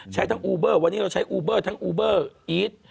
ใช้ทั้งอูเบอร์วันนี้เราใช้อูเบอร์ทั้งอูเบอร์อีท